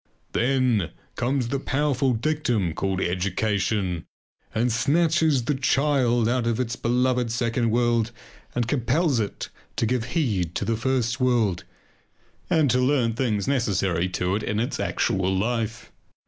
Then comes the powerful dictum called education and snatches the child out of its beloved second world and compels it to give heed to the first world and to learn things necessary to it in its actual life.